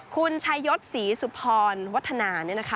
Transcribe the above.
คุณชายศศรีสุพรวัฒนาเนี่ยนะคะ